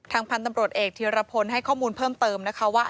พันธุ์ตำรวจเอกธีรพลให้ข้อมูลเพิ่มเติมนะคะว่า